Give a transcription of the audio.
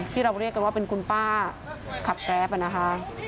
ที่เราเรียกกันว่าเป็นคุณป้าขับแกรปนะคะ